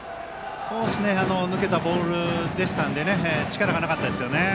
少し抜けたボールでしたので力がなかったですよね。